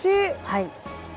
はい。